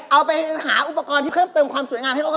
เอาไปหาอุปกรณ์ที่เพิ่มเติมความสวยงามให้พวกเขา